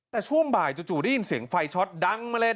แต่ช่วงบ่ายจู่ได้ยินเสียงไฟช็อตดังมาเลย